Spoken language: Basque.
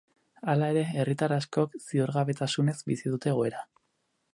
Hala ere, herritar askok ziurgabetasunez bizi dute egoera.